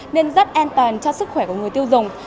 nên rất an toàn cho sức khỏe của người tiêu dùng